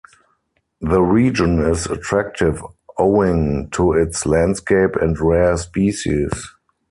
The region is attractive owing to its landscape and rare species.